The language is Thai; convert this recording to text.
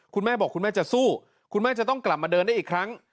คุณแม่บอกคุณแม่จะสู้คุณแม่จะต้องกลับมาเดินได้อีกครั้ง